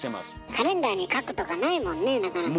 カレンダーに書くとかないもんねなかなか。